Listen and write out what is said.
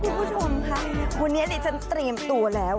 คุณผู้ชมค่ะวันนี้ดิฉันเตรียมตัวแล้ว